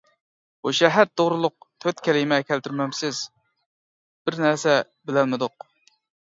بۇ شەھەر توغرۇلۇق تۆت كەلىمە كەلتۈرمەمسىز، بىر نەرسە بىلەلمىدۇق.